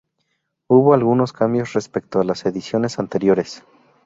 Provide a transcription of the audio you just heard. Hubo algunos cambios respecto a las ediciones anteriores.